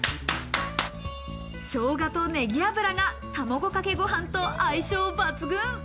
生姜とネギ油が卵かけご飯と相性抜群。